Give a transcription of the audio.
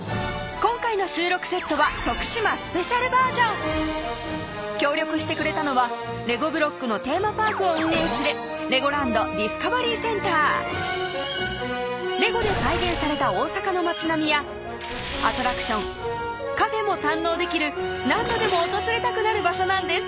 今回の収録セットは徳島スペシャルバージョン協力してくれたのは「レゴブロック」のテーマパークを運営するレゴランド・ディスカバリー・センター「ＬＥＧＯ」で再現された大阪の町並みやアトラクション・カフェも堪能できる何度でも訪れたくなる場所なんです